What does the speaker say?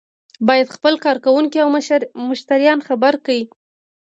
باید خپل کارکوونکي او مشتریان خبر کړي.